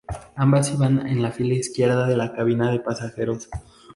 Ambas iban en la fila izquierda de la cabina de pasajeros.